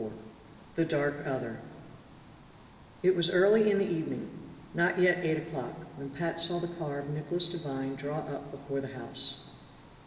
24 The Dark Other It was early in the evening, not yet eight o'clock, when Pat saw the car of Nicholas Devine draw up before the house.